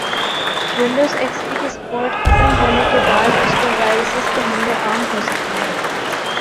Windows X P کی support ختم ہونے کی بعد اس پر وائرسز کے حملے عام ہوسکتے ہیں